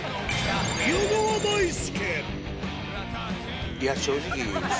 宮川大輔